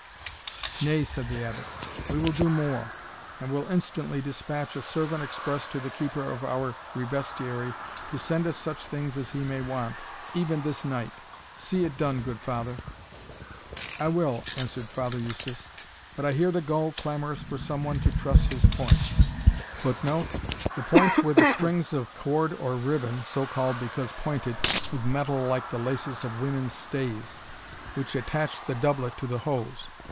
"Nay," said the Abbot, "we will do more, and will instantly despatch a servant express to the keeper of our revestiary to send us such things as he may want, even this night. See it done, good father." "I will," answered Father Eustace; "but I hear the gull clamorous for some one to truss his points.[Footnote: The points were the strings of cord or ribbon, (so called, because pointed with metal like the laces of women's stays,) which attached the doublet to the hose.